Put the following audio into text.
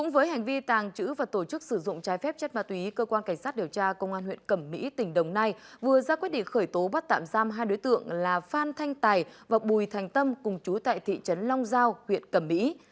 với hành vi tàng trữ và tổ chức sử dụng trái phép chất ma túy cơ quan cảnh sát điều tra công an huyện cẩm mỹ tỉnh đồng nai vừa ra quyết định khởi tố bắt tạm giam hai đối tượng là phan thanh tài và bùi thành tâm cùng chú tại thị trấn long giao huyện cẩm mỹ